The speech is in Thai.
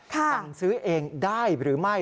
สั่งซื้อเองได้หรือไม่